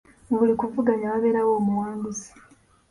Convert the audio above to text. Mu buli kuvuganya wabeerawo omuwanguzi.